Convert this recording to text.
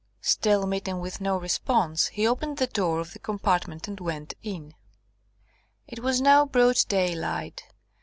Still meeting with no response, he opened the door of the compartment and went in. It was now broad daylight.